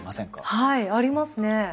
はいありますね。